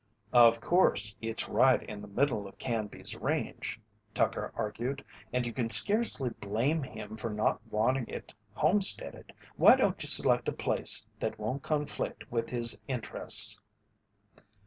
"Of course it's right in the middle of Canby's range," Tucker argued, "and you can scarcely blame him for not wanting it homesteaded. Why don't you select a place that won't conflict with his interests?"